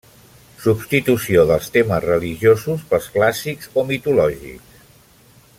Substitució dels temes religiosos pels clàssics o mitològics.